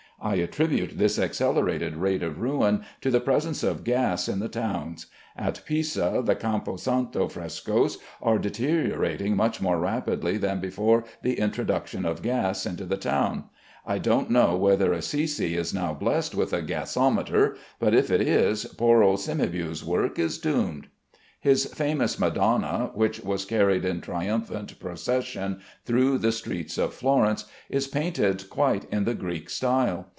I attribute this accelerated rate of ruin to the presence of gas in the towns. At Pisa the Campo Santo frescoes are deteriorating much more rapidly than before the introduction of gas into the town. I don't know whether Assisi is now blessed with a gasometer, but if it is, poor old Cimabue's work is doomed. His famous Madonna, which was carried in triumphant procession through the streets of Florence, is painted quite in the Greek style.